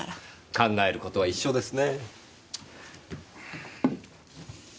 考えることは一緒ですね。